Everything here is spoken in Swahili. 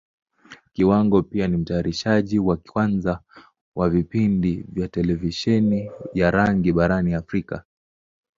Kiwango pia ni Mtayarishaji wa kwanza wa vipindi vya Televisheni ya rangi barani Africa.